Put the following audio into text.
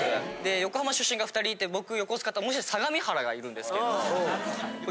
横浜出身が２人いて僕横須賀ともう１人相模原がいるんですけど。